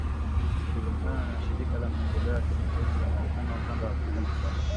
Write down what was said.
ushirikiano na Shirika la Maendeleo ya Kimataifa la Marekani Ukanda wa Afrika Mashariki